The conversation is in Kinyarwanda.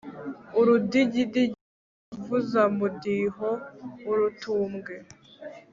Urudigidigi uruvuza mudiho-Urutumbwe.